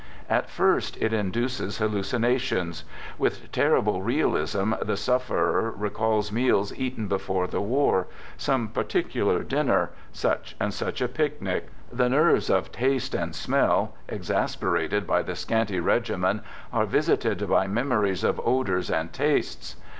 I At first it induces hallucinations. With terrible . realism, the sufferer recalls meals eaten before the war, some particular dinner, such and such a picnic. The nerves of taste and smell, exasperated by the . scanty regimen, are visited by memories of odors and tastes.